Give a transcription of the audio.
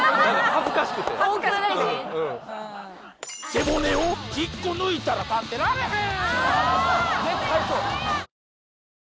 背骨を引っこ抜いたら立ってられへーん！